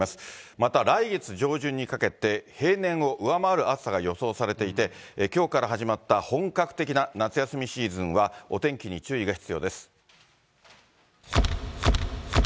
また来月上旬にかけて、平年を上回る暑さが予想されていて、きょうから始まった本格的な夏休みシーズンは、お天気に注意が必要です。